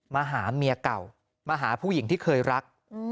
มาหาเมียเก่ามาหาผู้หญิงที่เคยรัก